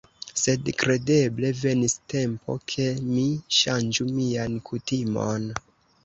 Sed kredeble venis tempo, ke mi ŝanĝu mian kutimon.